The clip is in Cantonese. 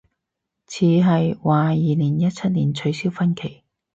似係，話二零一七年取消婚期